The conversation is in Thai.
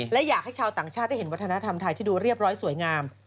และอยากให้ชาวต่างชาติได้เห็นวัฒนธรรมไทยที่ดูเรียบร้อยสวยงาม